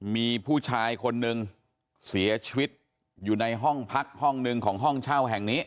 มีผู้ชายคนนึงเสียชีวิตอยู่ในห้องพักห้องหนึ่งของห้องเช่าแห่งนี้